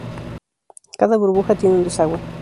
Cada burbuja tenía un desagüe.